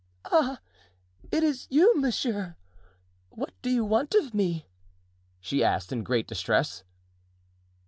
"Ah, it is you, monsieur! What do you want of me?" she asked, in great distress.